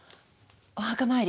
お墓参り。